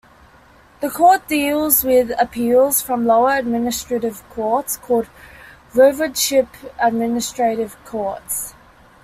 This court deals with appeals from lower administrative courts called Voivodship Administrative Courts.